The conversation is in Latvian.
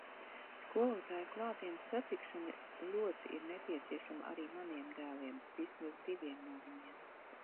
Skolotāju klātienes satikšana ļoti ir nepieciešama arī maniem dēliem, vismaz diviem no viņiem.